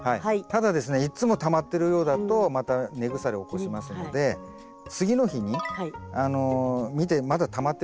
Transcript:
ただですねいつもたまってるようだとまた根腐れ起こしますので次の日に見てまだたまってるようだったら。